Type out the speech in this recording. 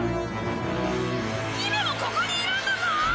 姫もここにいるんだぞーっ！